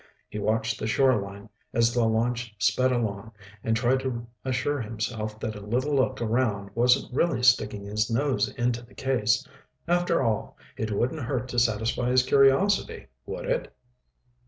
He watched the shore line as the launch sped along and tried to assure himself that a little look around wasn't really sticking his nose into the case. After all, it wouldn't hurt to satisfy his curiosity, would it?